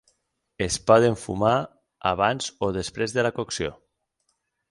Es poden fumar abans o després de la cocció.